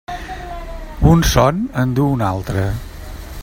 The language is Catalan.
Un son en du un altre.